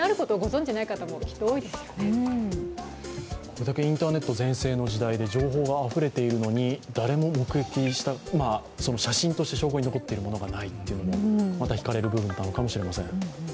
これだけインターネット全盛の時代で情報があふれているのに誰も目撃写真として証拠に残っているものがないというのもまたひかれる部分なのかもしれません。